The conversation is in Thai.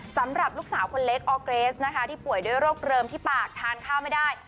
สำหรับลูกสาวคนเล็กออร์เกรสนะคะที่ป่วยด้วยโรคเริมที่ปากทานข้าวไม่ได้